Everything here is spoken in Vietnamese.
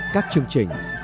các chương trình